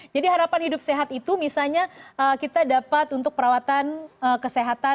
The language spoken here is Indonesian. jadi harapan hidup sehat itu misalnya kita dapat untuk perawatan kesehatan